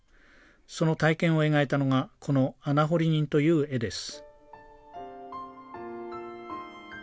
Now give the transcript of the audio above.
その体験を描いたのがこの「穴掘人」という絵です。